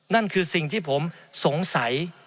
นั่นคือสิ่งที่ผมสงสัย